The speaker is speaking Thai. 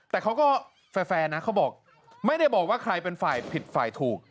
แต่เขาก็แฟร์นะเขาบอกไม่ได้บอกว่าใครเป็นฝ่ายผิดฝ่ายถูก